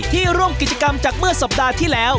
ร่วมกิจกรรมจากเมื่อสัปดาห์ที่แล้ว